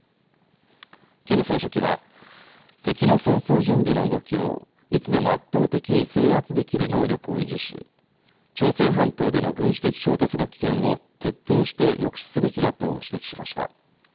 キム総書記は敵の戦争準備の動きをいつでも圧倒的に制圧できる能力を維持し朝鮮半島での軍事的衝突の危険を徹底して抑止すべきだと指摘しました。